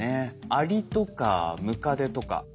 アリとかムカデとかハチ。